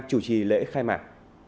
chủ trì lễ khai mạc